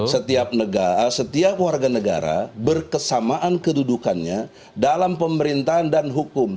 setiap warga negara berkesamaan kedudukannya dalam pemerintahan dan hukum